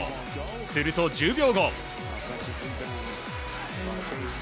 すると１０秒後。